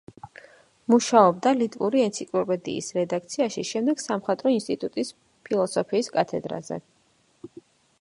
მუშაობდა ლიტვური ენციკლოპედიის რედაქციაში, შემდეგ სამხატვრო ინსტიტუტის ფილოსოფიის კათედრაზე.